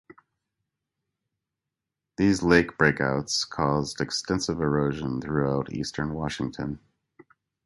These lake breakouts caused extensive erosion throughout eastern Washington.